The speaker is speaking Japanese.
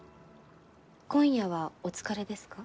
今夜はお疲れですか？